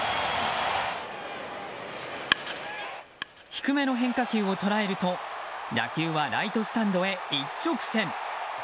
低めの変化球を捉えると打球はライトスタンドへ一直線！